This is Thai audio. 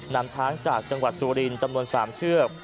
นำช้างจากจังหวัดสุรินทร์จำนวน๓เชือก